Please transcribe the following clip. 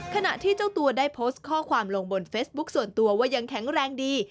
ขณะที่เจ้าตัวได้โพสต์ข้อความลงบนเฟซบุ๊คส่วนตัวว่ายังแข็งแรงดี